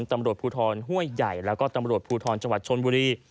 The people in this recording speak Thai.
ตำรวจภูทรห้วยใหญ่แล้วก็ตำรวจภูทรจังหวัดชนบุรี